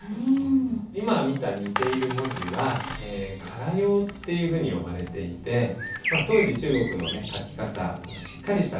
今見た似ている文字は唐様というふうに呼ばれていて当時中国のね書き方しっかりした骨格の字ですね。